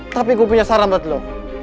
tapi gue punya saran buat lu